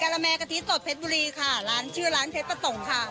ละแม่กะทิสดเพชรบุรีค่ะร้านชื่อร้านเพชรประสงค์ค่ะ